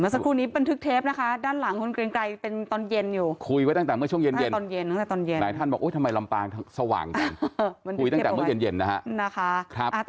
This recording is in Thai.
สักครู่นี้บันทึกเทปนะคะด้านหลังคุณเกรงไกรเป็นตอนเย็นอยู่คุยไว้ตั้งแต่เมื่อช่วงเย็นตอนเย็นตั้งแต่ตอนเย็นหลายท่านบอกทำไมลำปางสว่างจังคุยตั้งแต่เมื่อเย็นนะฮะ